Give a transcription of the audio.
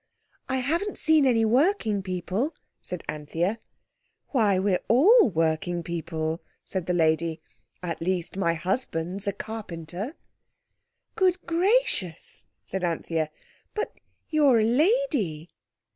"I haven't seen any working people," said Anthea. "Why, we're all working people," said the lady; "at least my husband's a carpenter." "Good gracious!" said Anthea; "but you're a lady!"